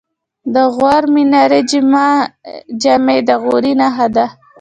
د غور منارې جمعې د غوري نښه ده